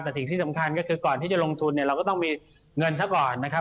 แต่สิ่งที่สำคัญก็คือก่อนที่จะลงทุนเนี่ยเราก็ต้องมีเงินซะก่อนนะครับ